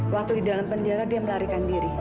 waktu di dalam penjara dia melarikan diri